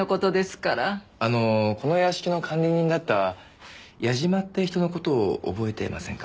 あのこの屋敷の管理人だった矢嶋って人の事を覚えていませんか？